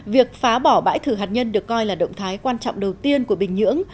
việc phá bỏ bãi thử hạt nhân được coi là động thái quan trọng đầu tiên của bình nhưỡng